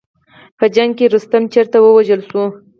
په جنګ کې رستم چېرته ووژل شو.